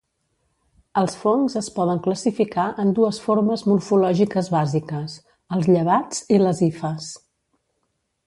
Els fongs es poden classificar en dues formes morfològiques bàsiques: els llevats i les hifes.